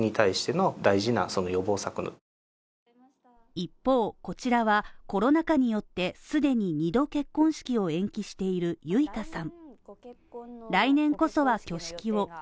一方、こちらは、コロナ禍によって既に２度結婚式を延期している結香さん。